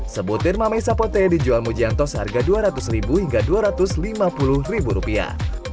sebutir mamei sapote dijual mujianto seharga dua ratus ribu hingga dua ratus lima puluh ribu rupiah